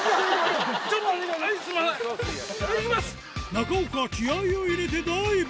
中岡気合を入れてダイブ！